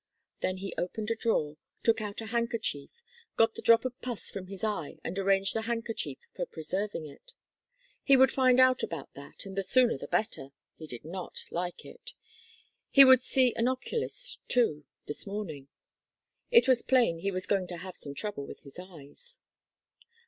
Then he opened a drawer, took out a handkerchief, got the drop of pus from his eye and arranged the handkerchief for preserving it. He would find out about that, and the sooner the better! He did not like it. He would see an oculist, too, this morning. It was plain he was going to have some trouble with his eyes.